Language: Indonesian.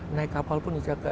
naik kapal pun dijaga